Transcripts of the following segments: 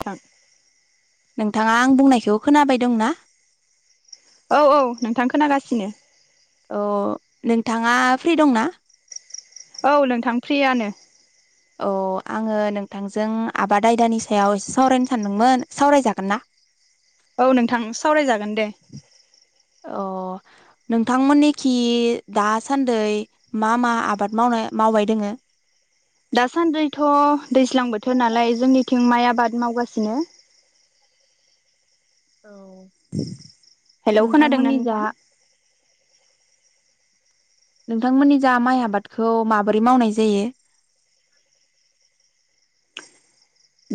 थां नोंथाङा आं बुंनायखौ खोनाबाय दंना? औ औ नोंथां खोनागासिनो अ नोंथाङा फ्रि दंना? औ नोंथां फ्रियानो अ आङो नोंथांजों आबाद आयदानि सायाव एसे सावरायनो सानदोंमोन सावरायजागोन ना औ नोंथां सावरायजागोन दे। अ नोंथांमोननिखि दासान्दै मा मा आबाद मावनाय मावबाय दोङो दासान्दैथ दैज्लां बोथोर नालाय जोंनि थिं माइ आबाद मावगासिनो औ हेलौ खोनादोंना नोंथांमोननि जा नोंथां? नोंथांमोननि जा माइ आबादखौ माबोरै मावनाय जायो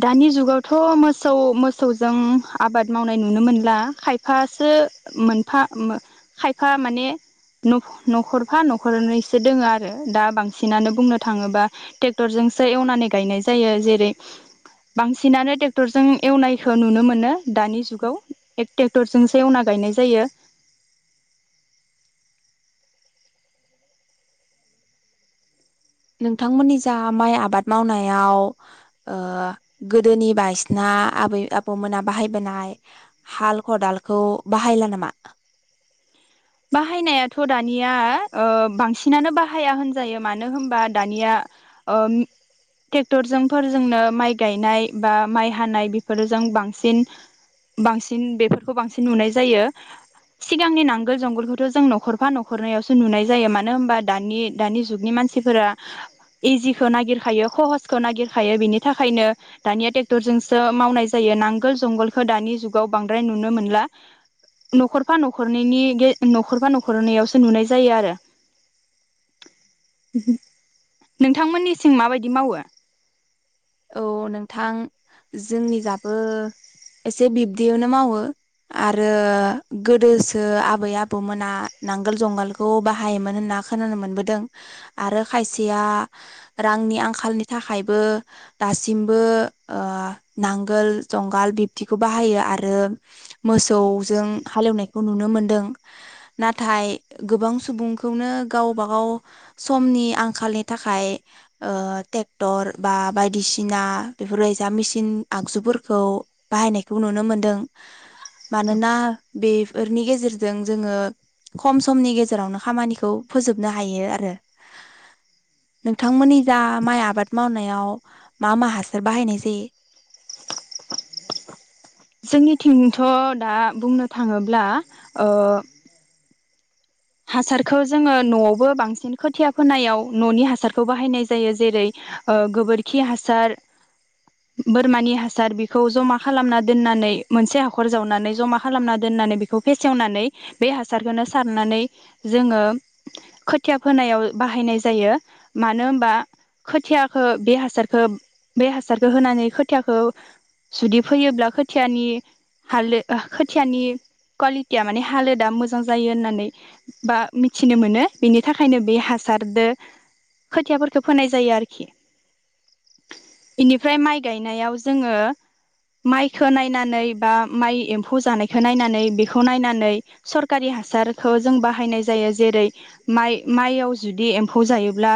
दानि जुगावथ मोसौ मोसौजों आबाद मावनाय नुनो मोनला खायफासो मोनफा खायफा माने नखरफा नखरनैसो दोङो आरो दा बांसिनानो बुंनो थाङोबा टेक्टरजोंसो एवनानै गायनाय जायो जेरै बांसिनानो टेक्टरजों एवनायखौ नुनो मोनो दानि जुगाव एक टेक्टरजोंसो एवना गायनाय जायो नोंथांमोननि जा माइ आबाद मावनायाव ओ गोदोनि बायसिना आबै आबौमोना बाहायबोनाय हाल खदालखौ बाहायला नामा? बाहायनायाथ दानिया ओ बांसिनानो बाहाया होनजायो मानो होनबा दानिया ओम टेकटरजों फोरजोंनो माइ गायनाय बा माइ हानाय बेफोरजों बांसिन बांसिन बेफोरखौ बांसिन नुनाय जायो सिगांनि नांग गोल जंगलखौथ जों नखरफा नखरनैयावसो नुनाय जायो मानो होनबा दानि दानि जुगनि मानसिफोरा इजिखौ नागिरखायो कहसखौ नागिरखायो बिनि थाखायनो दानिया टेक्टरजोंसो मावनाय जायो नांगोल जंगालखौ दानि जुगाव बांद्राय नुनो मोनला नखरफा नखरनैनि बे नखरबा नखरनै आवसो नुनाय जायो आरो नोंथांमोननि थिं माबायदि मावो औ नोंथां जोंनि जाबो एसे बिब्दियावनो मावो आरो गोदोसो आबै आबौमोना नांगोल जंगालखौ बाहायोमोन होनना खोनानो मोनबोदों आरो खायसेया रांनि आंखालनि थाखायबो दासिमबो ओ नांगोल जंगाल बिब्दिखौ बाहायो आरो मोसौजों हालेवनायखौ नुनो मोनदों नाथाय गोबां सुबुंखौनो गावबागाव समनि आंखालनि थाखाय ओ टेक्टर बा बाय दिसिना बेफोरबायसा मिसिन आगजुफोरखौ बाहायनायखौ नुनो मोनदों मानोना बेफोरनि गेजेरजों जोङो खम समनि गेजेरावनो खामानिखौ फोजोबनो हायो आरो नोंथांमोननि जा माइ आबाद मावनायाव मा मा हासार बाहायनाय जायो जोंनिथिंथ दा बुंनो थाङोब्ला ओ हासारखौ जोङो नआवबो बांसिन खोथिया फोनायाव ननि हासारखौ बाहायनाय जायो जेरै ओ गोबोरखि हासार बोरमानि हासार बेखौ जमा खालामना दोननानै मोनसे हाखर जावनानै जमा खालामना दोननानै बेखौ फेसेवनानै बे हासारखौनो सारनानै जोङो खोथिया फोनायाव बाहायनाय जायो मानो होनबा खोथियाखो बे हासारखो बे हासारखो होनानै खोथियाखो जुदि फोयोब्ला खोथियानि हालोद खोथियानि क्वालिटिया माने हालोदा मोजां जायो होननानै बा मिथिनो मोनो बेनि थाखायनो बे हासारदो खोथियाफोरखौ फोनाय जायो आरोखि बेनिफ्राय माइ गायनायाव जोङो माइखो नायनानै बा माइ एम्फौ जानायखो नायनानै बेखो नायनानै सरकारि हासारखो जों ब बाहायनाय जायो जेरै माइ माइयाव जुदि एम्फौ जायोब्ला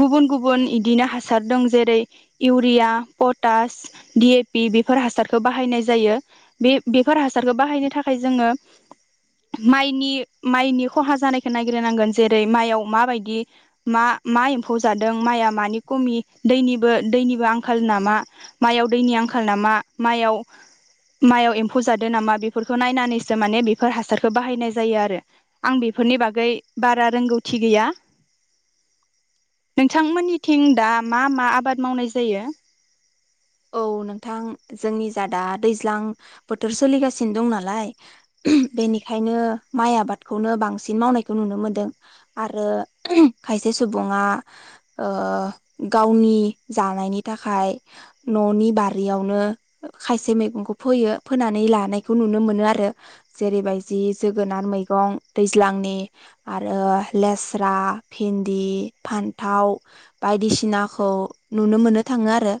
गुबुन गुबुन इदिनो हासार दं जेरै urea potash D A P बेफोर हासारखौ बाहायनाय जायो बे बेफोर हासारखौ बाहायनो थाखाय जोङो माइनि माइनि खहा जानायखौ नायग्रोनांगोन जेरै माइयाव माबायदि मा मा एम्फौ जादों माइआ मानि खमि दैनिबो दैनिबो आंखाल नामा माइयाव दैनि आंखाल नामा माइयाव माइयाव एम्फौ जादो नामा बेफोरखौ नायनानैसो माने बेफोर हासारखौ बाहायनाय जायो आरो आं बेफोरनि बागै बारा रोंगौथि गैया नोंथांमोननिथिं दा मा मा आबाद मावनाय जायो? औ नोंथां जोंनि जादा दैज्लां बोथोर सोलिगासिनो दं नालाय ओम बेनिखायनो माइ आबादखौनो बांसिन मावनायखौ नुनो मोनदों आरो खायसे सुबुङा ओ गावनि जानायनि थाखाय ननि बारियावनो खायसे मैगंखौ फोयो फोनानै लानायखौ नुनो मोनो आरो जेरैबायजि जोगोनार मैगं दैज्लांनि आरो लेस्रा भिन्दि फान्थाव बायदिसिनाखौ नुनो मोननो थाङो आरो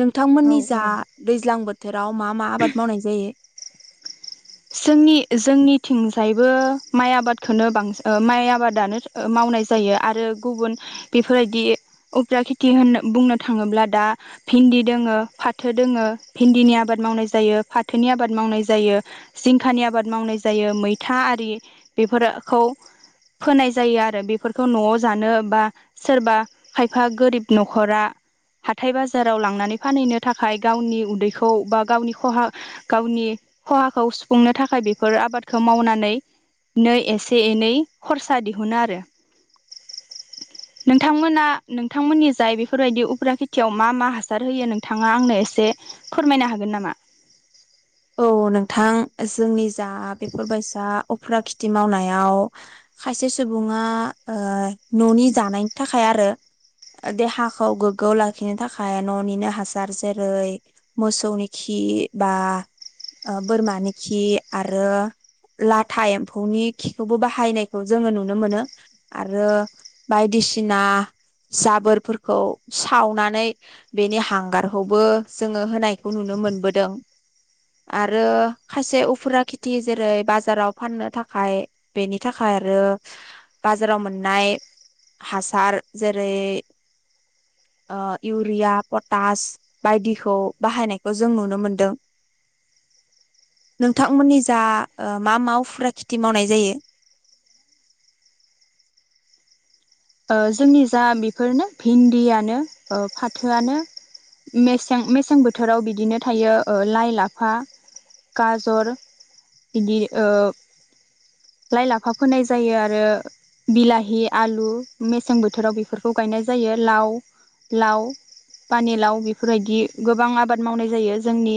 नोंथांमोननि जा दैज्लां बोथोराव मा मा आबाद मावनाय जायो? जोंनि जोंनिथिंजायबो माइ आबादखोनो बांस ओ माइ आबादानो ओ मावनाय जायो आरो गुबुन बेफोरबायदि उखिया खेथि होन बुंनो थाङोब्ला दा भिन्दि दोङो फाथो दोङो भिन्दिनि आबाद मावनाय जायो फाथोनि आबाद मावनाय जायो जिंखानि आबाद मावनाय जायो मैथा आरि बेफोरखौ फोनाय जायो आरो बेफोरखौ नआव जानो बा सोरबा खायफा गोरिब नखरा हाथाय बाजाराव लांनानै फानहैनो थाखाय गावनि उदैखौ बा गावनि खहा गावनि खहाखौ सुफ सुफुंनो थाखाय बेफोर आबादखौ मावनानैनो एसे एनै खरसा दिहुनो आरो नोंथांमोना नोंथांमोननि जाय बेफोरबायदि उफ्रा खेथियाव मा मा हासार होयो नोंथाङा आंनो एसे फोरमायनो हागोन नामा औ नोंथां जोंनि जा बेफोरबायसा उफ्रा खिथि मावनायाव खायसे सुबुङा ओ ननि जानायनि थाखाय आरो। ओ देहाखौ गोग्गोआव लाखिनो थाखाय ननिनो हासार जेरै मोसौनि खि बा ओ बोरमानि खि आरो लाथा एम्फौनि खिखौबो बाहायनायखौ जोङो नुनो मोनो आरो बायदिसिना जाबोरफोरखौ सावनानै बेनि हांगारखौबो जोङो होनायखौ नुनो मोनबोदों आरो खायसे उफुरा खेथि जेरै बाजाराव फाननो थाखाय बेनि थाखाय आरो बाजाराव मोननाय हासार जेरै ओ इउरिया पटास बायदिखौ बाहायनायखौ जों नुनो मोनदों नोंथांमोननि जा ओ मा मा उफ्रा खिथि मावनाय जायो? ओ जोंनि जा ओ बेफोरनो भिन्दियानो ओ फाथोआनो मेसें मेसें बोथोराव बिदिनो थायो ओ लाइ लाफा गाजर बिदि ओ लाइ लाफा फोनाय जायो आरो बिलाहि आलु मेसें बोथोराव बेफोरखौ गायनाय जायो लाव लाव पानिलाव बेफोरबायदि गोबां आबाद मावनाय जायो जोंनि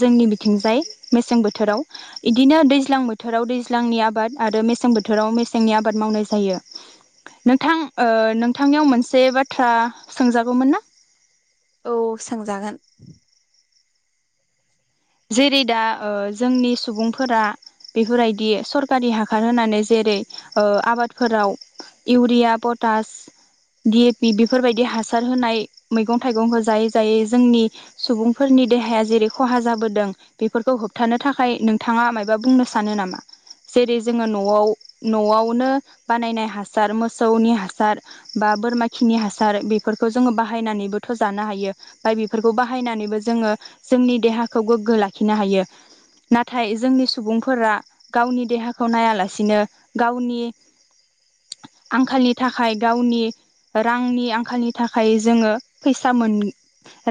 जोंनि बिथिंजाय मेसें बोथोराव इदिनो दैज्लां बोथोराव दैज्लांनि आबाद आरो मेसें बोथोराव मेसेंनि आबाद मावनाय जायो। नोंथां ओ नोंथांनियाव मोनसे बाथ्रा सोंजागौमोन ना औ सोंजागोन जेरै दा ओ जोंनि सुबुंफोरा बेफोरबायदि सरकारि हाखार होनानै जेरै ओ आबादफोराव urea potash D A P बेफोरबायदि हासार होनाय मैगं थाइगंखौ जायै जायै जोंनि सुबुंफोरनि देहाया जेरै खहा जाबोद दों बेफोरखौ होबथानो थाखाय नोंथांआ मायबा बुंनो सानो नामा जेरै जोङो नआव नआवनो बानायनाय हासार मोसौनि हासार बा बोरमा खिनि हासार बेफोरखौ जोङो बाहायनानैबोथ जानो हायो बा बेफोरखौ बाहायनानैबो जोङो जोंनि देहा खौ गोग्गो लाखिनो हायो नाथाय जोंनि सुबुंफोरा गावनि देहाखौ नायालासिनो गावनि आंखालनि थाखाय गावनि रांनि आंखालनि थाखाय जोङो फैसा मोन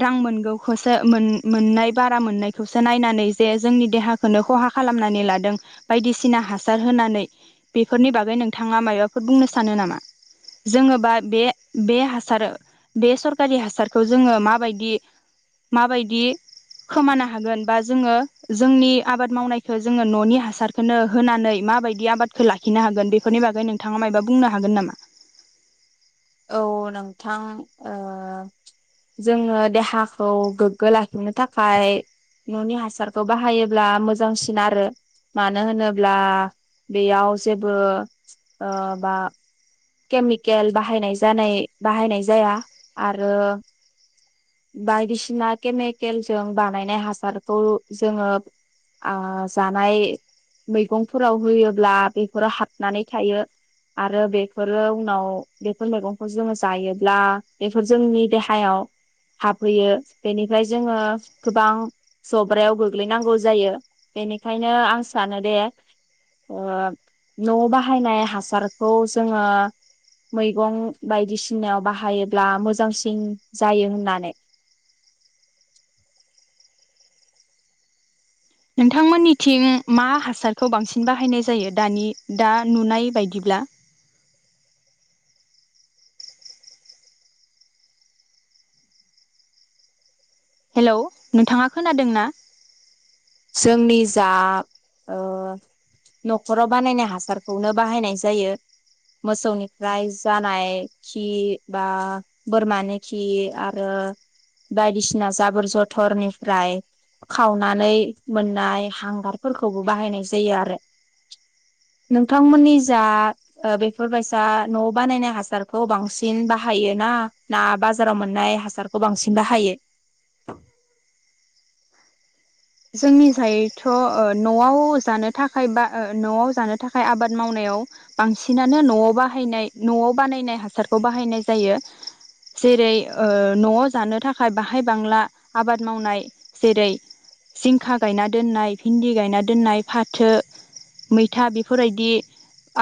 रां मोनगौसो मोन मोननाय बारा मोननायखौसो नायनानै जे जोंनि देहाखौनो खहा खालामनानै लादों बायदिसिना हासार होनानै बेफोरनि बागै नोंथाङा मायबाफोर बुंनो सानो नामा जोङो बा बे हासार बे सरखारि हासारखौ जोङो माबायदि माबायदि खोमानो हागोन बा जोङो जोंनि आबाद मावनायखो जोङो ननि हासारखोनो होनानै माबायदि आबादखो लाखिनो हागोन बेफोरनि बागै नोंथाङा मायबा बुंनो हागोन नामा? औ नोंथां ओ जोङो देहाखौ गोग्गो लाखिनो थाखाय ननि हासारखौ बाहायोब्ला मोजांसिन आरो मानो होनोब्ला बेयाव जेबो ओ बा केमिकेल बाहायनाय जानाय बाहायनाय जाया आरो बायदिसिना केमेकेलजों बानायनाय हासारखौ जोङो आ जानाय मैगंफोराव होयोब्ला बेफोरो हाबनानै थायो आरो बे फोरो उनाव बेफोर मैगंखौ जोङो जायोब्ला बेफोर जोंनि देहायाव हाबहैयो बेनिफ्राय जोङो गोबां जब्रायाव गोग्लैनांगौ जायो बेनिखायनो आं सानो दे ओ न 'आव बाहायनाय हासारखौ जोङो मैगं बायदिसिनायाव बाहायोब्ला मोजांसिन जायो होननानै नोंथांमोननिथिं मा हासारखौ बांसिन बाहायनाय जायो दानि दा नुनाय बायदिब्ला हेलौ नोंथाङा खोनादों ना जोंनि जा ओ नखराव बानायनाय हासारखौनो बाहायनाय जायो मोसौनिफ्राय जानाय खि बा बोरमानि खि आरो बायदिसिना जाबोर जथरनिफ्राय खावनानै मोननाय हांगारफोरखौबो बाहायनाय जायो आरो नोंथांमोननि जा ओ बेफोरबायायसा न बानायनाय हासारखौ बांसिन बाहायो ना ना बाजाराव मोननाय हासारखौ बांसिन बाहायो जोंनि जायथ ओ नआव जानो थाखाय बा ओ नआव जानो थाखाय आबाद मावनायाव बांसिनानो नआव बाहायनाय नआव बानायनाय हासारखौ बाहायनाय जायो जेरै ओ नआव जानो थाखाय बाहाय बांला आबाद मावनाय जेरै जिंखा गायना दोननाय भिन्दि गायना दोननाय फाथो मैथा बेफोरबायदि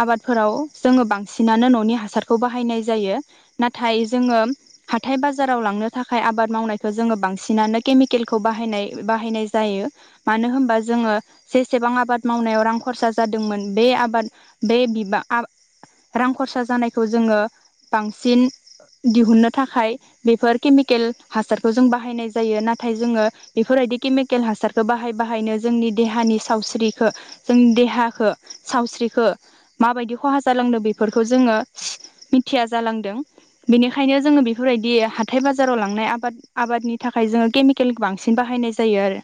आबादफोराव जोङो बांसिनानो ननि हासारखौ बाहायनाय जायो नाथाय जोङो हाथाय बाजाराव लांनो थाखाय आबाद मावनायखौ जोङो बांसिनानो केमिकेलखौ बाहायनाय बाहायनाय जायो मानो होमबा जोङो जेसेबां आबाद मावनायाव रां खरसा जादोंमोन बे आबाद बे बिब रां खरसा जानायखौ जोङो बांसिन दिहुननो थाखाय बेफोर केमिकेल हासारखौ जों बाहायनाय जायो नाथाय जोङो बेफोरबायदि केमिक केकेल हासारखौ बाहाय बाहायनो जोंनि देहानि सावस्रिखो जोंनि देहाखो सावस्रिखो माबायदि खहा जालांदों बेफोरखौ जोङो मिथिया जालांदों बेनिखायनो जोङो बेफोरबायदि हाथाय बाजाराव लांनाय आबाद आबादनि थाखाय जोङो केमिकेल बांसिन बाहायनाय जायो आरो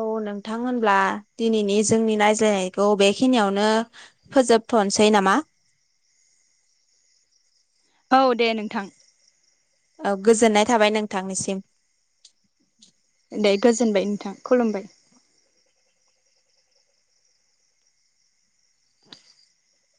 औ नोंथां होनब्ला दिनैनि जोंनि नायज्लायनायखौ बेखिनियावनो फोजोबथनोसै नामा औ दे नोंथां औ गोजोननाय थाबाय नोंथांनिसिम दे गोजोनबाय नोंथां खुलुमबाय